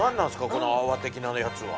この泡的なやつは。